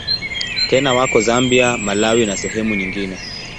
Tena wako Zambia, Malawi na sehemu nyingine.